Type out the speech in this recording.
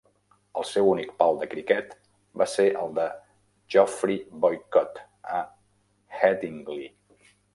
El seu únic pal de criquet va ser el de Geoffrey Boycott a Headingley.